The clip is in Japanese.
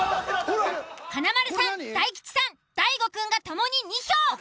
華丸さん大吉さん大悟くんが共に２票。